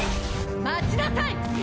待ちなさい！